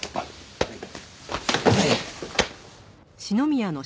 はい。